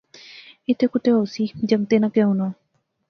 اتے کتے ہوسی، جنگتیں ناں کہہ ہونا